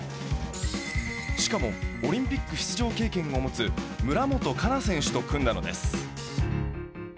しかもオリンピック出場経験を持つ村元哉中選手と組んだのです。